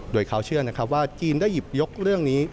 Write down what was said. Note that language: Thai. โดยเขาเชื่อนะครับว่าจีนได้หยิบยกเรื่องนี้